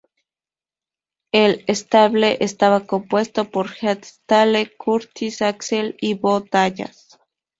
El stable estaba compuesto por Heath Slater, Curtis Axel y Bo Dallas.